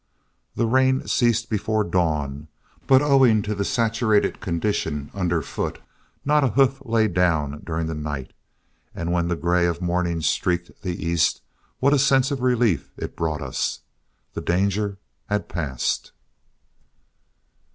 The rain ceased before dawn, but owing to the saturated condition underfoot, not a hoof lay down during the night, and when the gray of morning streaked the east, what a sense of relief it brought us. The danger had passed.